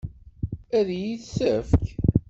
Ad iyi-t-tefk?